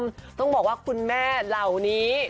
ต้องบอกว่าคุณแม่เหล่านี้